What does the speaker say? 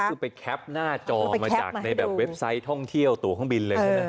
คือไปแคปหน้าจอมาจากในแบบเว็บไซต์ท่องเที่ยวตัวเครื่องบินเลยใช่ไหม